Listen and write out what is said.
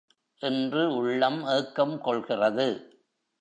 என்று உள்ளம் ஏக்கம் கொள்கிறது.